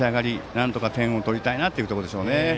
なんとか点を取りたいなというところでしょうね。